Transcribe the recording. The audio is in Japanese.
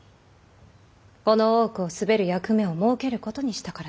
この大奥を統べる役目を設けることにしたからじゃ。